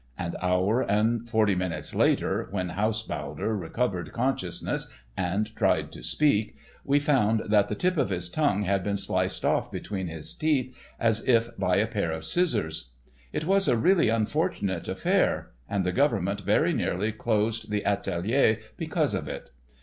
An hour and forty minutes later, when Haushaulder recovered consciousness and tried to speak, we found that the tip of his tongue had been sliced off between his teeth as if by a pair of scissors. It was a really unfortunate affair, and the government very nearly closed the atelier because of it.